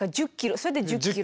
それで１０キロ。